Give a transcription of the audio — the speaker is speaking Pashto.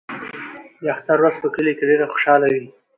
د اختر ورځ په کلي کې ډېره خوشحاله وي.